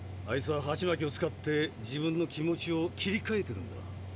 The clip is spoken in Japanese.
あいつはハチマキを使って自分の気持ちを切りかえてるんだ。